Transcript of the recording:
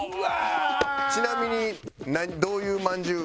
ちなみにどういうまんじゅう